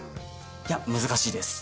いや難しいです。